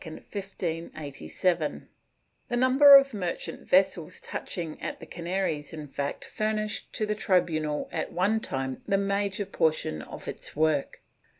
^ The number of merchant vessels touching at the Canaries, in fact, furnished to the tribunal at one time the major portion of its work.